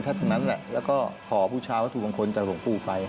ถ้างั้นแหละแล้วก็ขอผู้ชาวว่าถูกบังคลจากหลวงปู่ไป